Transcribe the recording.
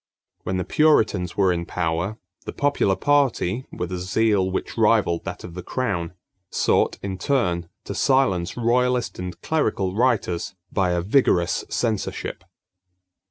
When the Puritans were in power, the popular party, with a zeal which rivaled that of the crown, sought, in turn, to silence royalist and clerical writers by a vigorous censorship.